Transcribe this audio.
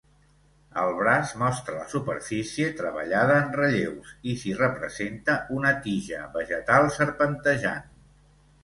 El braç mostra la superfície treballada en relleus, i s'hi representa una tija vegetal serpentejant.